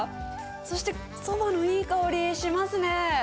そして、そばのいい香りしますね。